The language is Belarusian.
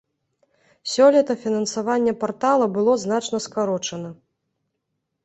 Сёлета фінансаванне партала было значна скарочана.